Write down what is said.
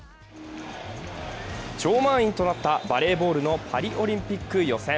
超満員となったバレーボールのパリオリンピック予選。